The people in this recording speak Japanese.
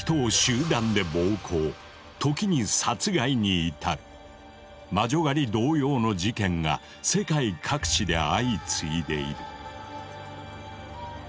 時に殺害に至る魔女狩り同様の事件が世界各地で相次いでいる。